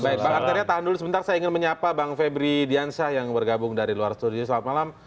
baik bang arteria tahan dulu sebentar saya ingin menyapa bang febri diansyah yang bergabung dari luar studio selamat malam